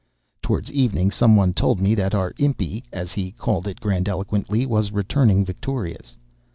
"Towards evening someone told me that our impi, as he called it grandiloquently, was returning victorious.